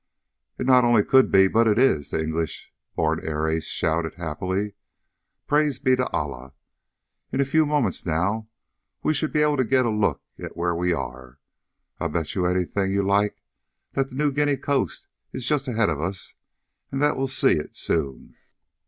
"It not only could be, but it is!" the English born air ace shouted happily. "Praise be to Allah! In a few moments now we should be able to get a look at where we are. I bet you anything you like that the New Guinea coast is just ahead of us, and that we'll see it soon."